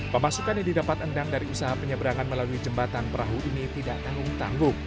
pemasukan yang didapat endang dari usaha penyeberangan melalui jembatan perahu ini tidak tanggung tanggung